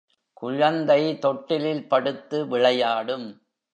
குழந்தை தொட்டிலில் படுத்து விளையாடும்.